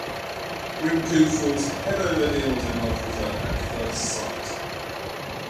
Rinku falls head over heels in love with her at first sight.